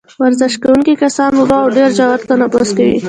ورزش کوونکي کسان ورو او ډېر ژور تنفس کوي.